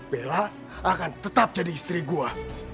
bella akan tetap jadi istri gue